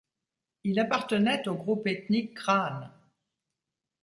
Il appartenait au groupe ethnique Krahn.